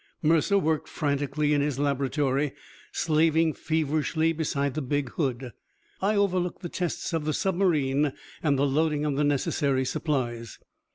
Mercer worked frantically in his laboratory, slaving feverishly beside the big hood. I overlooked the tests of the submarine and the loading of the necessary supplies.